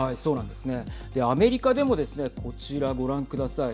で、アメリカでもですねこちら、ご覧ください。